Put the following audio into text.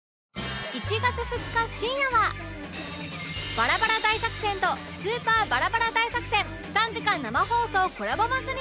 バラバラ大作戦とスーパーバラバラ大作戦３時間生放送コラボ祭り！